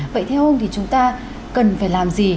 vậy theo ông thì chúng ta cần phải làm gì